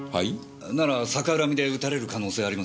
なら逆恨みで撃たれる可能性ありますよ。